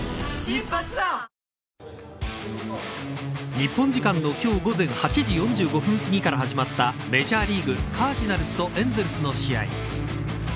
日本時間の今日午前８時４５分すぎから始まったメジャーリーグカージナルスとエンゼルスの試合。